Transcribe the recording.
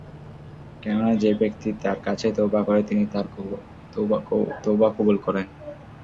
কেননা, যে ব্যক্তি তার কাছে তওবা করে, তিনি তার তওবা কবূল করেন।